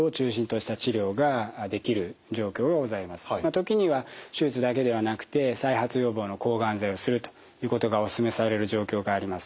時には手術だけではなくて再発予防の抗がん剤をするということがお勧めされる状況があります。